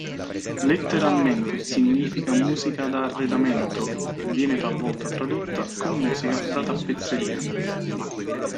Letteralmente significa "musica da arredamento" e viene talvolta tradotta con "musica da tappezzeria".